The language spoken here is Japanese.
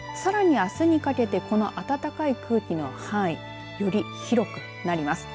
さらにあすにかけてこの暖かい空気の範囲より広くなります。